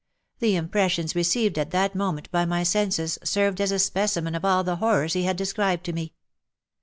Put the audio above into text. The impressions received at that moment by my senses served as a specimen of all the horrors he had described to me.